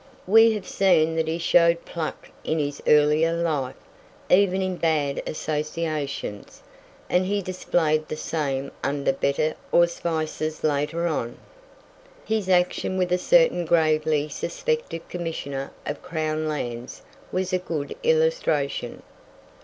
We have seen that he showed pluck in his earlier life, even in bad associations; and he displayed the same under better auspices later on. His action with a certain gravely suspected Commissioner of Crown Lands was a good illustration.